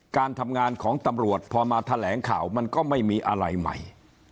การทำงานของตำรวจพอมาแถลงข่าวมันก็ไม่มีอะไรใหม่